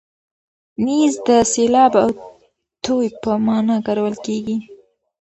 نیز د سیلاب او توی په مانا کارول کېږي.